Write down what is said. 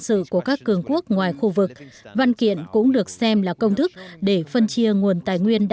sự của các cường quốc ngoài khu vực văn kiện cũng được xem là công thức để phân chia nguồn tài nguyên